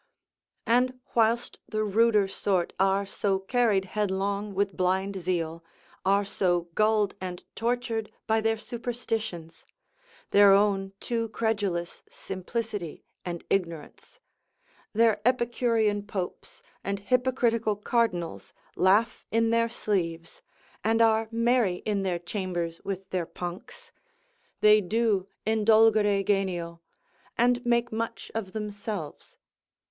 And whilst the ruder sort are so carried headlong with blind zeal, are so gulled and tortured by their superstitions, their own too credulous simplicity and ignorance, their epicurean popes and hypocritical cardinals laugh in their sleeves, and are merry in their chambers with their punks, they do indulgere genio, and make much of themselves.